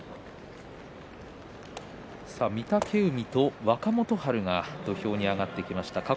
御嶽海と若元春が土俵に上がってきました。